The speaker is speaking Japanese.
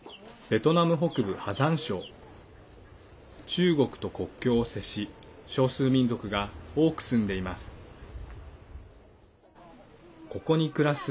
中国と国境を接し少数民族が多く住んでいます。